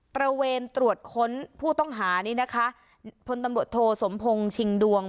ระเวนตรวจค้นผู้ต้องหานี้นะคะพลตำรวจโทสมพงศ์ชิงดวง